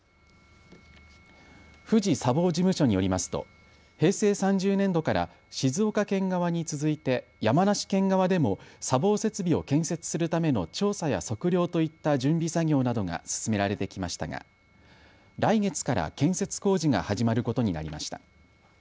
富士砂防事務所によりますと平成３０年度から静岡県側に続いて山梨県側でも砂防設備を建設するための調査や測量といった準備作業などが進められてきましたが来月から建設工事が始まることになりました。